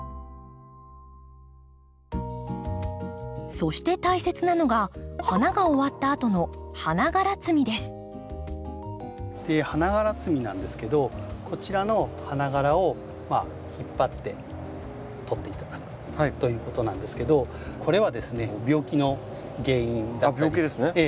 そして大切なのが花が終わったあとの花がら摘みなんですけどこちらの花がらを引っ張って取って頂くということなんですけどこれはですね病気の原因だったりしますのでこれを取ります。